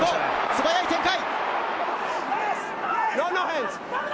素早い展開！